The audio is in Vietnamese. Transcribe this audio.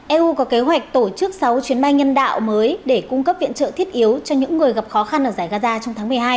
eu có kế hoạch tổ chức sáu chuyến bay nhân đạo